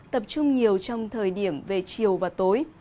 tập trung nhiều trong thời điểm về chiều và tối